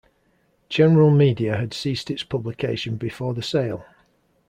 General Media had ceased its publication before the sale.